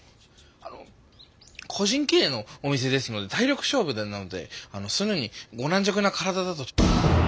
あの個人経営のお店ですので体力勝負なのでそのようにご軟弱な体だと。